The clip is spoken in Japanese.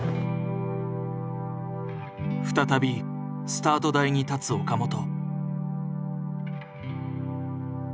再びスタート台に立つ岡本。